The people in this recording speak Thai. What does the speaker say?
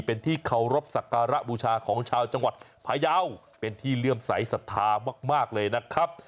เป็นที่เคารพสักการะบูชาของชาวจังหวัดพยาวเป็นที่เลื่อมใสสัทธามากมากเลยนะครับ